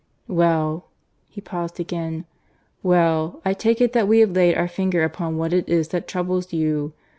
"Well ..." he paused again. "Well, I take it that we have laid our finger upon what it is that troubles you.